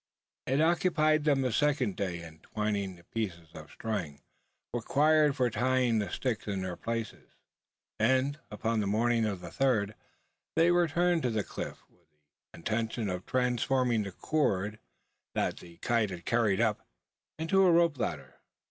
It occupied them a second day in twining the pieces of string, required for tying the sticks in their places; and, upon the morning of the third, they returned to the cliff, with the intention of transforming the cord, that the kite had carried up, into a rope ladder.